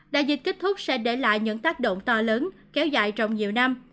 đại dịch kết thúc sẽ để lại những tác động to lớn kéo dài trong nhiều năm